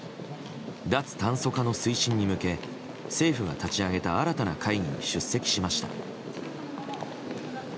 脱炭素化の推進に向け政府が立ち上げた新たな会議に出席しました。